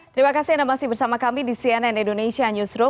terima kasih anda masih bersama kami di cnn indonesia newsroom